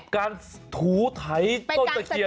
การถูไถต้นตะเคียน